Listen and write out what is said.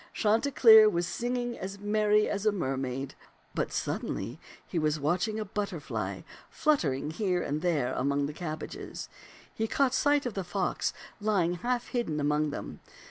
Chanticleer was singing as merry as a mermaid ; but suddenly, while he was watching a butterfly flut tering here and there above the cabbages, he caught sight of the fox lying half hidden among them.